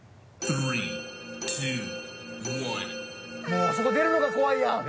もうあそこ出るのが怖いやん。